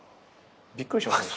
びっくりしませんでした？